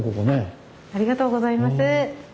ありがとうございます。